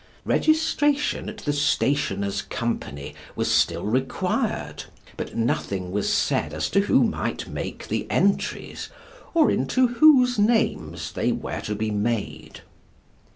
Registration at the Stationers' Company was still required, but nothing was said as to who might make the entries, or into whose names they were to be made.